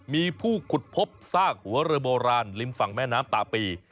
มีผู้ขุดพบซากหัวเรือโบราณริมฝั่งแม่น้ำตาปี